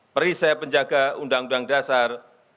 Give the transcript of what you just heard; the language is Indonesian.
perisai penjaga undang undang dasar seribu sembilan ratus empat puluh lima